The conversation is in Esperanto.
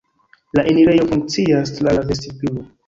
La enirejo funkcias tra la vestiblo.